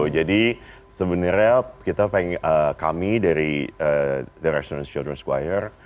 jadi sebenarnya kami dari the residence children's choir